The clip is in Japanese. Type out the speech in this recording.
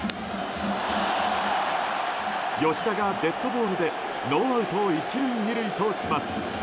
吉田がデッドボールでノーアウト１塁２塁とします。